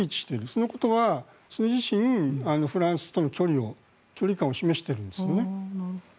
そのことは、それ自身フランスとの距離感を示しているんですね。